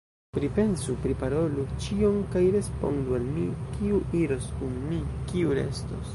Pripensu, priparolu ĉion kaj respondu al mi, kiu iros kun mi, kiu restos.